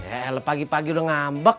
eh lo pagi pagi udah ngambek